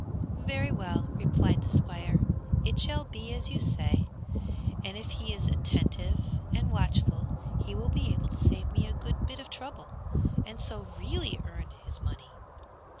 "Very well," replied the Squire, "it shall be as you say, and if he is attentive and watchful he will be able to save me a good bit of trouble and so really earn his money."